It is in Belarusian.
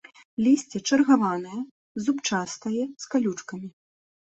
Лісце чаргаванае, зубчастае, з калючкамі.